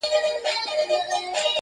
څونه ښکلی معلومېږي قاسم یاره زولنو کي,